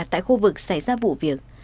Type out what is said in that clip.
tại khu vực xảy ra vụ việc